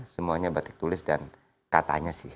semuanya batik tulis dan katanya sih